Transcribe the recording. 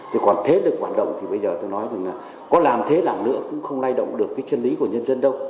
thì còn thế lực hoạt động thì bây giờ tôi nói rằng là có làm thế nào nữa cũng không lay động được cái chân lý của nhân dân đâu